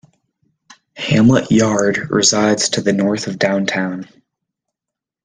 Hamlet yard resides to the north of downtown.